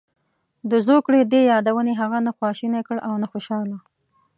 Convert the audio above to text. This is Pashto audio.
د زوکړې دې یادونې هغه نه خواشینی کړ او نه خوشاله.